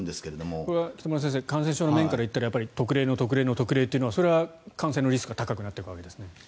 これは北村先生感染症の面から言ったら特例の特例の特例というのはそれは感染のリスクが高くなっていくんですか？